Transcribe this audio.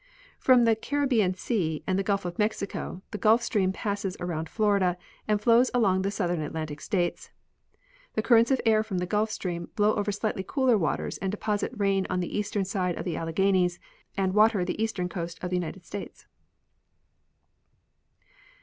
From the "Caribbean sea and the Gulf of Mexico the Gulf stream passes around Florida and floAvs along the southern At lantic States. The currents of air from the Gulf stream blow over slightl}^ cooler waters and deposit rain on the eastern side of the Alleghanies and water the* eastern coast of the United States.